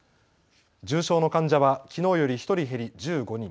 重症の患者はきのうより１人減り１５人。